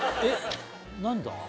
何だ？